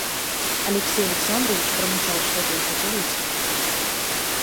Алексей Александрович промычал что-то и хотел уйти.